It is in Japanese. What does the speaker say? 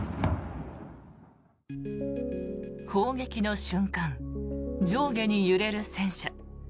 砲撃の瞬間、上下に揺れる戦車。